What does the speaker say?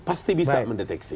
pasti bisa mendeteksi